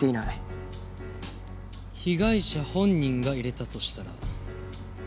被害者本人が入れたとしたら？